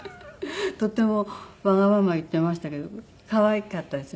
とってもわがまま言っていましたけど可愛かったです。